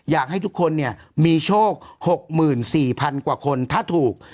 อยากให้ทุกคนมีโชค๖๔๐๐๐กว่าคนถ้าถูก